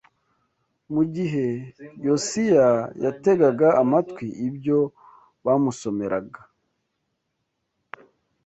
Mu gihe Yosiya yategaga amatwi ibyo bamusomeraga